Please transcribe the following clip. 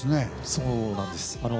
そうなんです。